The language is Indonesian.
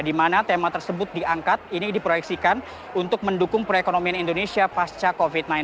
di mana tema tersebut diangkat ini diproyeksikan untuk mendukung perekonomian indonesia pasca covid sembilan belas